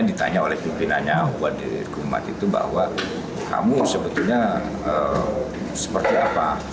ditanya oleh pimpinannya wadid kumat itu bahwa kamu sebetulnya seperti apa